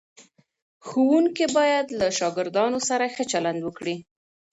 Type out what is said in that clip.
ښوونکي باید له شاګردانو سره ښه چلند وکړي.